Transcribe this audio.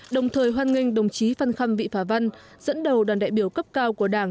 đồng thời hoan nghênh đồng chí phan khâm vị phá văn dẫn đầu đoàn đại biểu cấp cao của đảng